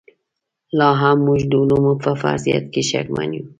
لاهم موږ د علومو په فرضیت کې شکمن یو.